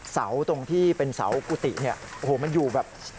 เสาตรงที่เป็นเสากุฏิเนี่ยโอ้โหมันอยู่แบบ